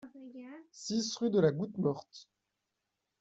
six rue de la Goutte Morte